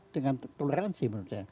dengan toleransi menurut saya